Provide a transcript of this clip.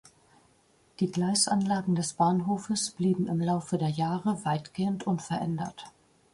Die Gleisanlagen des Bahnhofes blieben im Laufe der Jahre weitgehend unverändert.